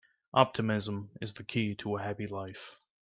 Optimism is the key to a happy life.